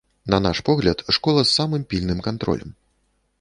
На наш погляд, школа з самым пільным кантролем.